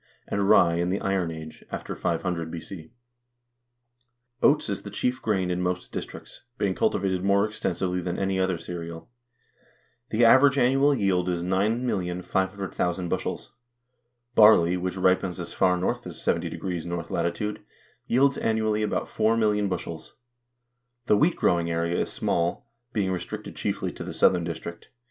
and rye in the Iron Age (after 500 B.C.). Oats is the chief grain in most districts, being cultivated more extensively than any other cereal; the average annual yield is 4 HISTORY OF THE NORWEGIAN PEOPLE 9,500,000 bushels. Barley, which ripens as far north as 70° N. L., yields annually about four million bushels. The wheat growing area is small, being restricted chiefly to the southern district.